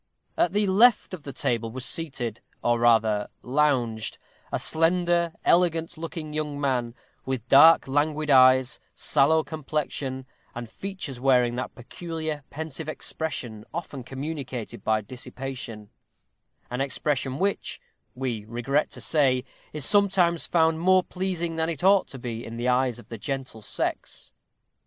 At the left of the table was seated, or rather lounged, a slender, elegant looking young man, with dark, languid eyes, sallow complexion, and features wearing that peculiarly pensive expression often communicated by dissipation; an expression which, we regret to say, is sometimes found more pleasing than it ought to be in the eyes of the gentle sex.